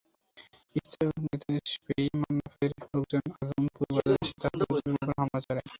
স্থগিতাদেশ পেয়েই মন্নাফের লোকজন আদমপুর বাজারে এসে তাঁর লোকজনের ওপর হামলা চালায়।